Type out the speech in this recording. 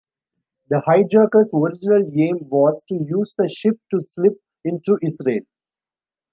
The hijackers' original aim was to use the ship to slip into Israel.